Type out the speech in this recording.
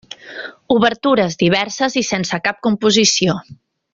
Obertures diverses i sense cap composició.